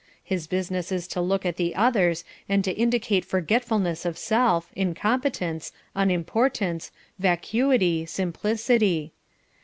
His business is to look at the others and to indicate forgetfulness of self, incompetence, unimportance, vacuity, simplicity.